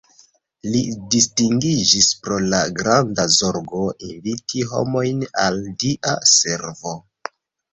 Li distingiĝis pro la granda zorgo inviti homojn al dia servo.